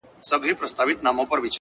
د طبيعت دې نندارې ته ډېر حيران هم يم _